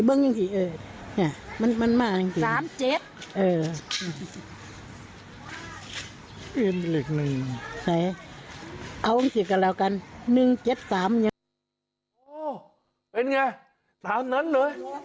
เป็นไงตามนั้นเลย